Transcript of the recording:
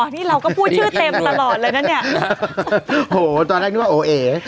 นี่เราก็พูดชื่อเต็มตลอดเลยนะเนี่ยโหตอนแรกนึกว่าโอเอ